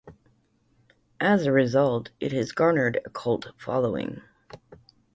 As a result, it has garnered a cult following.